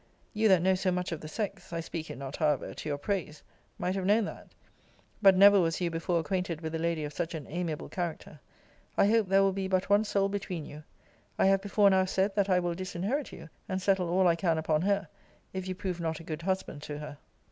You that know so much of the sex (I speak it not, however, to your praise) might have known that. But never was you before acquainted with a lady of such an amiable character. I hope there will be but one soul between you. I have before now said, that I will disinherit you, and settle all I can upon her, if you prove not a good husband to her.